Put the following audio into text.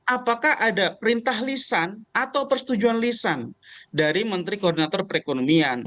apakah ada perintah lisan atau persetujuan lisan dari menteri koordinator perekonomian